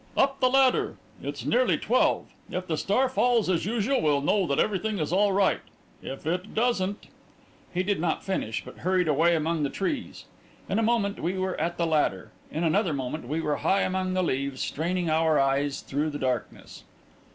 "Up the ladder. It's nearly twelve. If the star falls as usual, we'll know that everything is all right. If it doesn't ..." He did not finish, but hurried away among the trees. In a moment we were at the ladder; in another moment we were high among the leaves, straining our eyes through the darkness.